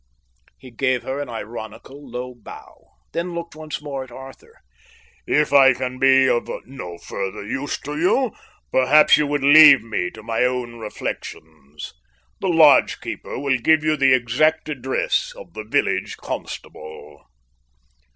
He gave her an ironical, low bow; then looked once more at Arthur. "If I can be of no further use to you, perhaps you would leave me to my own reflections. The lodgekeeper will give you the exact address of the village constable."